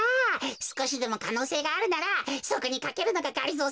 すこしでもかのうせいがあるならそこにかけるのががりぞー